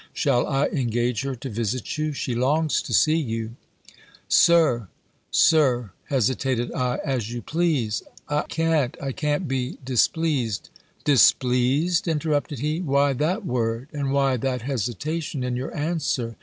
Shall I engage her to visit you? She longs to see you." "Sir Sir," hesitated I, "as you please I can't I can't be displeased " "Displeased?" interrupted he: "why that word? and why that hesitation in your answer?